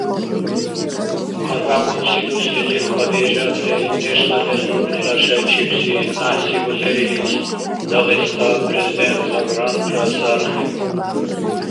Арбякьунси дуслизиб Хадижатли нешла мез руркънила шайчибси гӀяхӀси бузерилис, Дагъиста Президентла грантра сархиб.